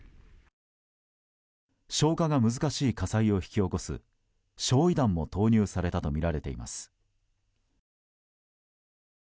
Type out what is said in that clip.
消火が難しい火災を引き起こす焼夷弾も投入されたとみられています。